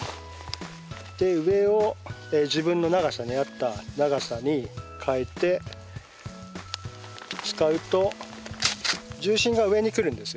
で上を自分の長さに合った長さに変えて使うと重心が上に来るんですよね。